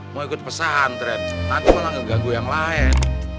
mau ikut pesantren nanti malah ngegagu yang lain